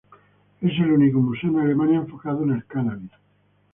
Es el único museo en Alemania enfocado en el cannabis.